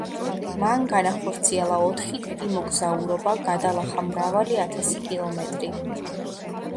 მან განახორციელა ოთხი დიდი მოგზაურობა, გადალახა მრავალი ათასი კილომეტრი.